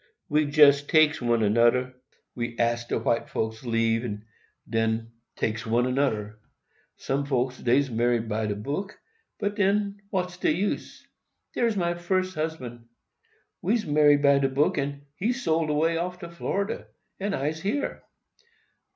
"We jest takes one anoder—we asks de white folks' leave—and den takes one anoder. Some folks, dey's married by de book; but den, what's de use? Dere's my fus husband, we'se married by de book, and he sold way off to Florida, and I's here.